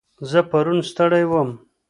زه پرون ستړی وم.